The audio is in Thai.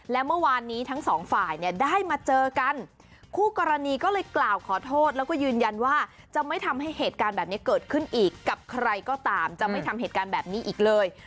และเมื่อวานนี้ทั้งสองฝ่ายเนี่ยได้มาเจอกันคู่กรณีก็เลยกล่าวขอโทษแล้วก็ยืนยันว่าจะไม่ทำให้เหตุการณ์แบบนี้เกิดขึ้นอีกกับใครก็ตามจะไม่ทำเหตุการณ์แบบนี้อีกเลย